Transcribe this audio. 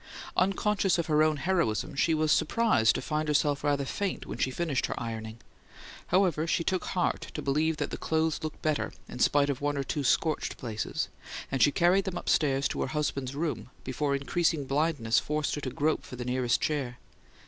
Unconscious of her own heroism, she was surprised to find herself rather faint when she finished her ironing. However, she took heart to believe that the clothes looked better, in spite of one or two scorched places; and she carried them upstairs to her husband's room before increasing blindness forced her to grope for the nearest chair.